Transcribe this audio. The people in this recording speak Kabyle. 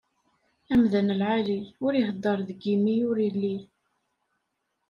Amdan lɛali, ur iheddeṛ deg imi ur ili.